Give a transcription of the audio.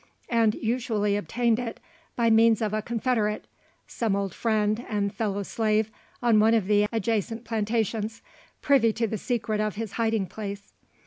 And usually obtained it, by means of a confederate some old friend, and fellow slave, on one of the adjacent plantations privy to the secret of his hiding place.